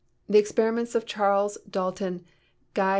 The experiments of Charles, Dalton, Gay